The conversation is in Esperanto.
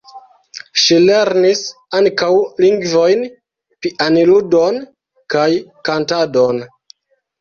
Ŝi lernis ankaŭ lingvojn, pianludon kaj kantadon.